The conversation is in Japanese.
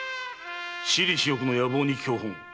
私利私欲の野望に狂奔。